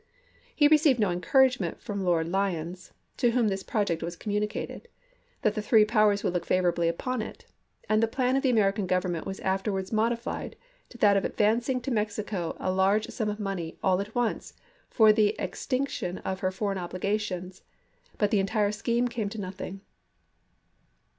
He received no encouragement from Lord Lyons — to whom this project was communicated — that the three powers would look favorably upon it, and the plan of the American Government was afterwards modified to that of advancing to Mexico a large sum of money, all at once, for the extinction of her foreign obligations ; but the entire scheme came to nothing.